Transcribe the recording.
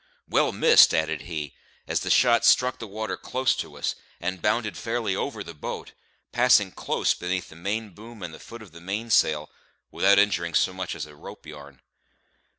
"Well missed!" added he, as the shot struck the water close to us, and bounded fairly over the boat, passing close beneath the main boom and the foot of the mainsail, without injuring so much as a ropeyarn.